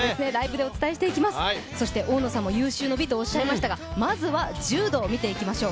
そして、大野さんも有終の美とおっしゃいましたがまずは柔道を見ていきましょう。